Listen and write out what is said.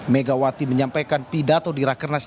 megawati menyampaikan pidato di rakernas